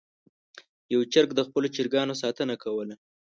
یو چرګ د خپلو چرګانو ساتنه کوله.